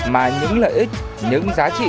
mà những lợi ích những giá trị